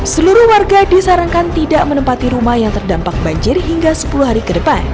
seluruh warga disarankan tidak menempati rumah yang terdampak banjir hingga sepuluh hari ke depan